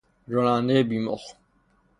رانندهی بیمخ